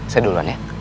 saya duluan ya